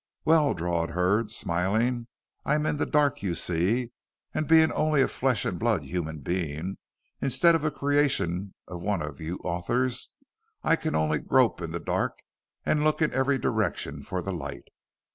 "Well," drawled Hurd, smiling, "I'm in the dark, you see, and being only a flesh and blood human being, instead of a creation of one of you authors, I can only grope in the dark and look in every direction for the light.